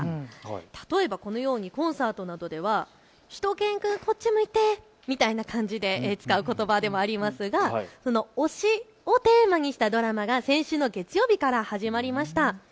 例えば、このようにコンサートなどではしゅと犬くんこっち向いてのような感じで使うようなことばでありますが推しをテーマにしたドラマが先週の月曜日から始まりました。